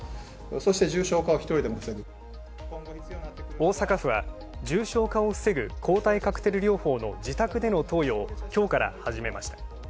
大阪府は重症化を防ぐ抗体カクテル療法の自宅での投与をきょうから始めました。